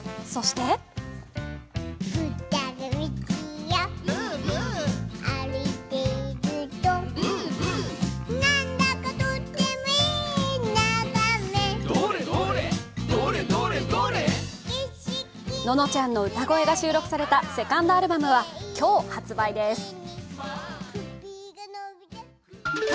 そしてののちゃんの歌声が収録されたセカンドアルバムは今日、発売です。